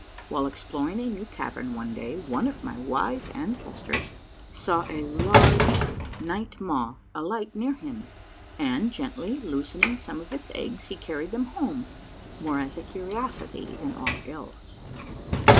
" While exploring a new cavern one day, one of my wise ancestors saw a large niglit moth alight near him, and, gently loosening some of its eggs, he carried them home, more as a curiosity than aught else.